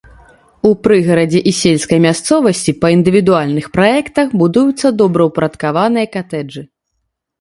У прыгарадзе і сельскай мясцовасці па індывідуальных праектах будуюцца добраўпарадкаваныя катэджы.